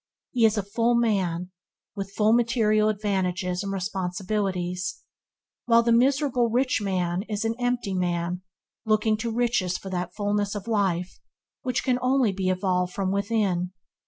He is a full man with full material advantages and responsibilities, while the miserable rich man is an empty man looking to riches for that fullness of life which can only be evolved from within.